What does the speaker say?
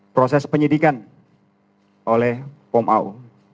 proses penyidikan oleh pom au